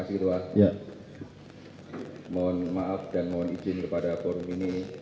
ini dia hahli